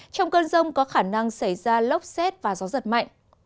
trong cơn rông có khả năng xảy ra lốc xét và gió giật mạnh